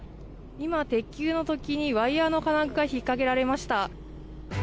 今、鉄球の突起にワイヤの金具が引っ掛けられました。